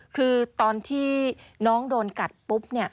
คือตอนที่น้องโดนกัดปุ๊บเนี่ย